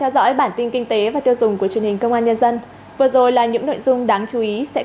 xin chào quý vị